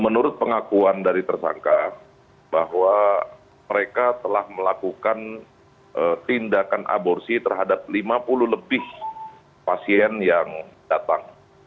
menurut pengakuan dari tersangka bahwa mereka telah melakukan tindakan aborsi terhadap lima puluh lebih pasien yang datang